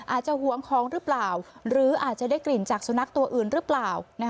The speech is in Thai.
หวงของหรือเปล่าหรืออาจจะได้กลิ่นจากสุนัขตัวอื่นหรือเปล่า